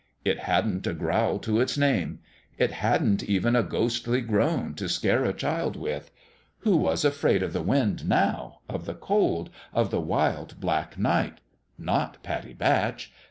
It hadn't a growl to its name : it hadn't even a ghostly groan to scare a child with. Who was afraid of the wind, now of the cold of the wild, black night ? Not Pattie Batch.